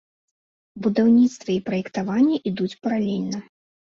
Будаўніцтва і праектаванне ідуць паралельна.